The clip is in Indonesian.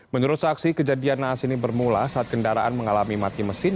menurut saksi kejadian naas ini bermula saat kendaraan mengalami mati mesin